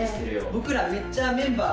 僕らめっちゃメンバー